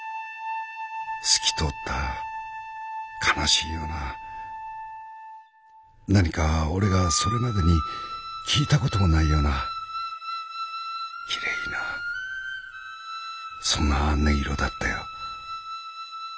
透き通った悲しいような何か俺がそれまでに聴いた事もないようなきれいなそんな音色だったよ。